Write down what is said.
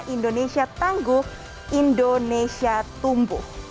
indonesia tangguh indonesia tumbuh